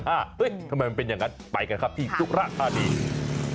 เฮ้ยทำไมมันเป็นอย่างนั้นไปกันครับที่สุราธานี